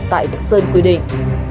tại vạch sơn quy định